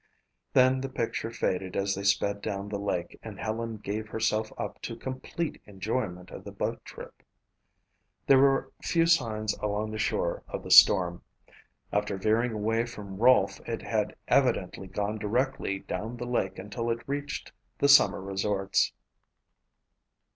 Then the picture faded as they sped down the lake and Helen gave herself up to complete enjoyment of the boat trip. There were few signs along the shore of the storm. After veering away from Rolfe it had evidently gone directly down the lake until it reached the summer resorts.